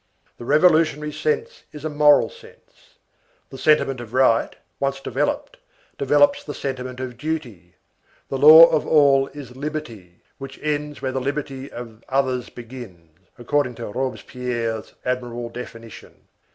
The revolutionary sense is a moral sense. The sentiment of right, once developed, develops the sentiment of duty. The law of all is liberty, which ends where the liberty of others begins, according to Robespierre's admirable definition.